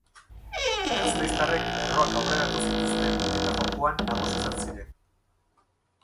Gasteiztarrek lerroak aurreratu zituzten, eta jokoan nagusi izan ziren.